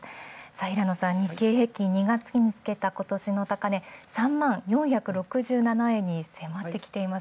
平野さん、日経平均２月につけた今年の高値３万４６７円に迫ってきています。